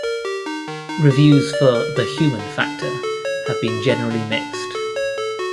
Reviews for "The Human Factor" have been generally mixed.